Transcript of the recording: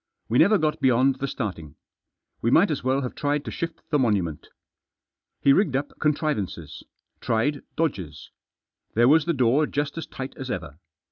We never got beyond the starting. We might as well have tried to shift the monument. He rigged up contrivances; tried dodges. There was the door just as tight as ever.